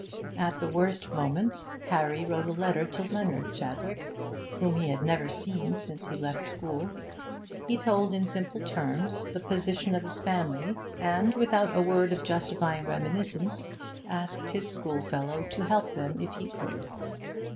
At the worst moment Harry wrote a letter to Leonard Chadwick, whom he had never seen since he left school. He told in simple terms the position of his family, and, without a word of justifying reminiscence, asked his schoolfellow to help them if he could.